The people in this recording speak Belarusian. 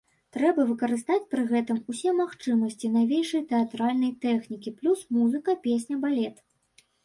Трэба выкарыстаць пры гэтым усе магчымасці навейшай тэатральнай тэхнікі плюс музыка, песня, балет.